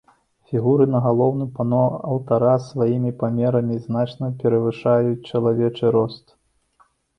Фігуры на галоўным пано алтара сваімі памерамі значна перавышаюць чалавечы рост.